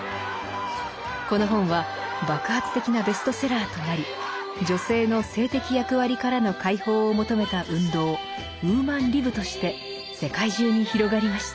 この本は爆発的なベストセラーとなり女性の性的役割からの解放を求めた運動ウーマン・リブとして世界中に広がりました。